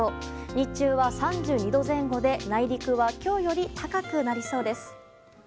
日中は３２度前後で内陸は今日より高くなりそうです。